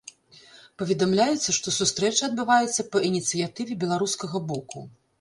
Паведамляецца, што сустрэча адбываецца па ініцыятыве беларускага боку.